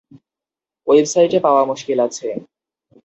ওয়েবসাইটে পাওয়া মুশকিল আছে।